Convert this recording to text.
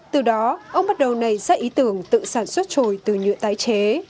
từ đó ông bắt đầu này ra ý tưởng tự sản xuất trội từ nhựa tái chế